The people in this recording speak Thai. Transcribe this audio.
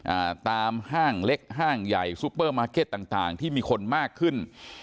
อ่าตามห้างเล็กห้างใหญ่ซุปเปอร์มาร์เก็ตต่างต่างที่มีคนมากขึ้น